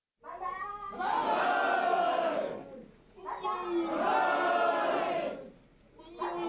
万歳。